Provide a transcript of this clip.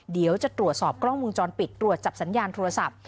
เดี๋ยวจะตรวจสอบกล้องวงจรปิดตรวจจับสัญญาณโทรศัพท์